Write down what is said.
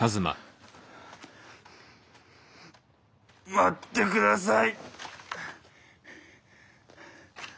待ってください。